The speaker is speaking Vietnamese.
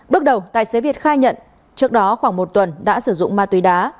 bước đầu tài xế việt khai nhận trước đó khoảng một tuần đã sử dụng ma túy đá